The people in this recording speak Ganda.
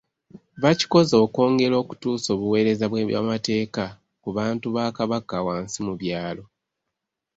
Bakikoze okwongera okutuusa obuweereza bw'ebyamateeka ku bantu ba Kabaka wansi mu byalo